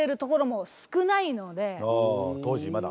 当時まだ？